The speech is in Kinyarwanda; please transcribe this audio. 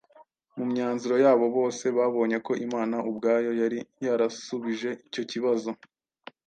Mu myanzuro yabo bose babonye ko Imana ubwayo yari yarasubije icyo kibazo